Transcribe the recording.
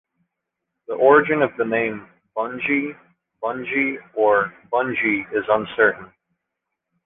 The origin of the name "bungee", bungie" or "bungy" is uncertain.